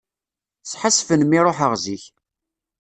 Sḥassfen mi ruḥeɣ zik.